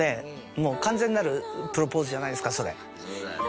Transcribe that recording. もう完全なるプロポーズじゃないですかそれ。